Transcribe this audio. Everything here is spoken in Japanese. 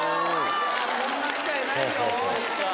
こんな機会ないよ」